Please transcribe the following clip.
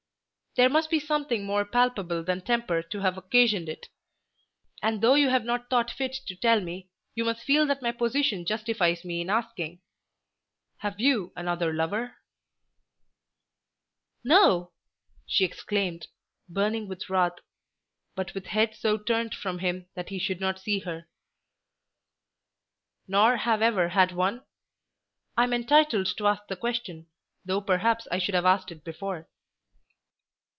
There must be something more palpable than temper to have occasioned it. And though you have not thought fit to tell me, you must feel that my position justifies me in asking. Have you another lover?" "No," she exclaimed, burning with wrath but with head so turned from him that he should not see her. "Nor have ever had one? I am entitled to ask the question, though perhaps I should have asked it before."